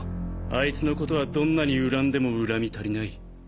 あいつのことはどんなに恨んでも恨み足りない。